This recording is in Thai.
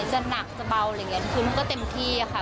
จะหนักจะเบาอะไรอย่างนี้คือมันก็เต็มที่ค่ะ